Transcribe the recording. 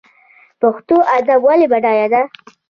پښتو ادب ولې بډای دی؟